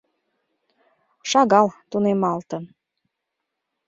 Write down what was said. Шагал тунемалтын.